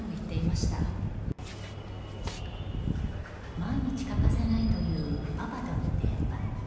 毎日欠かさないというパパとの電話。